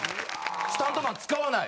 スタントマン使わない。